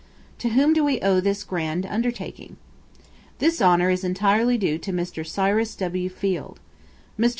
To whom do we owe this grand undertaking? This honor is entirely due to Mr. Cyrus W. Field. Mr.